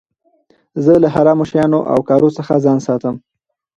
زه له حرامو شيانو او کارو څخه ځان ساتم.